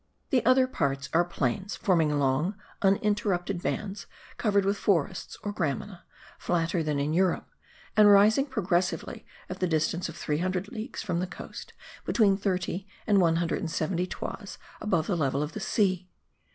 The other parts are plains forming long uninterrupted bands covered with forests or gramina, flatter than in Europe, and rising progressively, at the distance of 300 leagues from the coast, between 30 and 170 toises above the level of the sea.